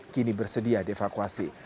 kini bersedia devakuasi